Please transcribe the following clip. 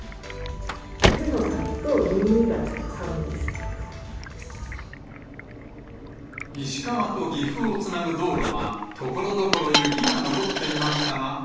手の先と耳がちょっと寒いで石川と岐阜をつなぐ道路は、ところどころ雪が残っていましたが。